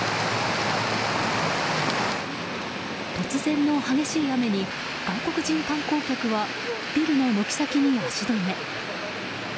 突然の激しい雨に外国人観光客はビルの軒先に足止め。